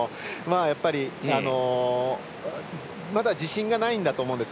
やっぱり、まだ自信がないんだと思います。